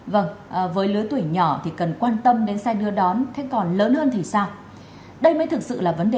vâng với lứa tuổi nhỏ thì cần quan tâm đến xe đưa đón thế còn lớn hơn thì sao